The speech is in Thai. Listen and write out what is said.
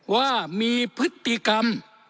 ว่ามีพฤติกรรม